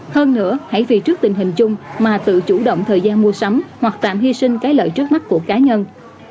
hơn nữa hãy vì trước tình hình chung mà tự chủ động thời gian mua sắm hoặc tạm hy sinh cái lợi trước mắt của cá nhân